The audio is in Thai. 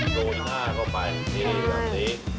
โรยหน้าเข้าไปที่แบบนี้